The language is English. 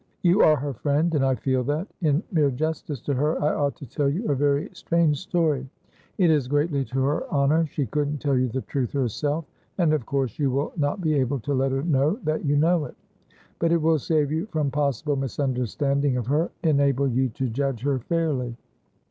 You are her friend, and I feel that, in mere justice to her, I ought to tell you a very strange story. It is greatly to her honour. She couldn't tell you the truth herself, and of course you will not be able to let her know that you know it. But it will save you from possible misunderstanding of her, enable you to judge her fairly."